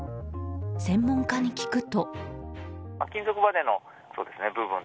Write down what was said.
専門家に聞くと。